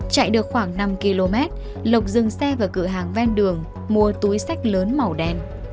chạy được khoảng năm km lộc dừng xe vào cửa hàng ven đường mua túi sách lớn màu đen